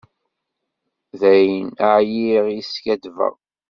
Dayen, ɛyiɣ i skaddbeɣ.